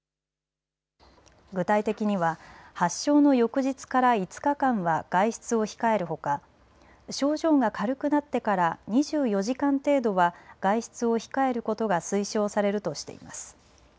具体的には発症の翌日から５日間は外出を控えるほか、症状が軽くなってから２４時間程度は外出を控えることが推奨されるとしています。